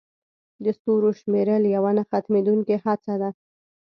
د ستورو شمیرل یوه نه ختمېدونکې هڅه ده.